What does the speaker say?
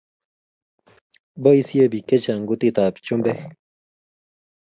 Boishe Biik chechang kutit ab chumbek